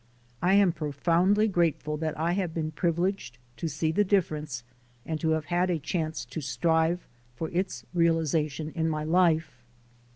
I am profoundly grateful that I have been privileged to see the difference and to have had a chance to strive for its realization in my life.